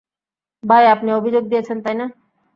ভাই, আপনি অভিযোগ দিয়েছেন, তাই না?